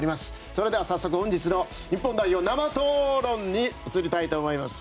それでは早速本日の日本代表生討論に移りたいと思います。